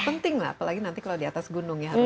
penting lah apalagi nanti kalau di atas gunung ya